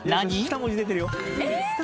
２文字出てるよ。